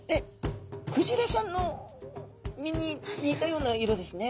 クジラさんの身に似たような色ですね。